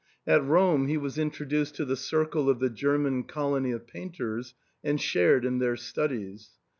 At Rome he was introduced to the circle of the German colony of painters and shared in their studies.